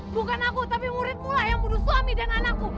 bukan aku tapi muridmulah yang bunuh suami dan anakku